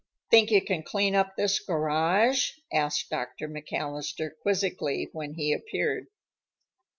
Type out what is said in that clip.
"Think you can clean up this garage?" asked Dr. McAllister quizzically when he appeared.